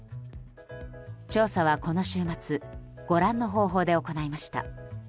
調査は、この週末ご覧の方法で行いました。